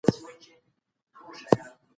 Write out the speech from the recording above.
که حضوري ښوونه روانه وي د ټولګي تعامل زياتېږي.